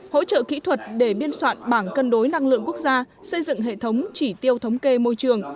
hỗ trợ kỹ thuật để biên soạn bảng cân đối năng lượng quốc gia xây dựng hệ thống chỉ tiêu thống kê môi trường